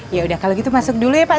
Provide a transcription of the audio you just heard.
ya udah kalau gitu masuk dulu ya pak